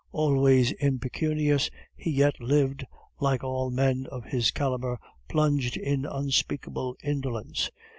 Always impecunious, he yet lived, like all men of his calibre, plunged in unspeakable indolence.